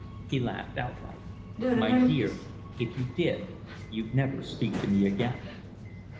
He laughed outright. "My dear, if you did you'd never speak to me again."